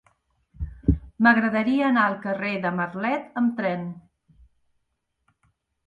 M'agradaria anar al carrer de Marlet amb tren.